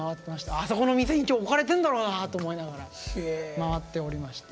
あそこの店に今日置かれてるんだろうなと思いながら回っておりました。